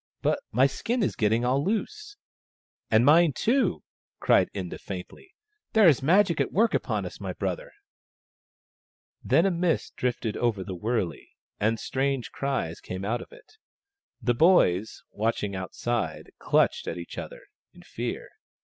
But my skin is getting all loose." " And mine too !" cried Inda, faintly. " There is Magic at work upon us, my brother !" Then a mist drifted over the wurley, and strange cries came out of it. The boys, watching outside, clutched at each other in fear.